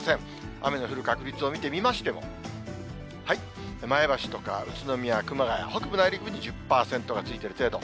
雨の降る確率を見てみましても、前橋とか宇都宮、熊谷、北部内陸部で１０％がついてる程度。